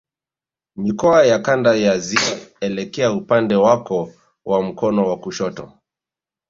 Mikoa ya Kanda ya Ziwa elekea upande wako wa mkono wa kushoto